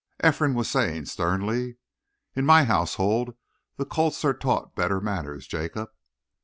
Ephraim was saying sternly: "In my household the colts are taught better manners, Jacob."